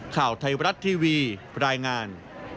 ข่าวไทยรัฐทีวีรายงาน